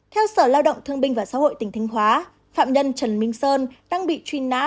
theo sở lao động thương binh và xã hội tỉnh thanh hóa phạm nhân trần minh sơn đang bị truy nã